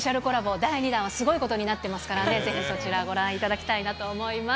第２弾はすごいことになってますからね、ぜひ、そちらご覧いただきたいなと思います。